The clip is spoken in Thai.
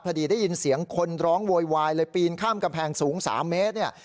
ได้ยินเสียงคนร้องโวยวายเลยปีนข้ามกำแพงสูง๓เมตรเนี่ย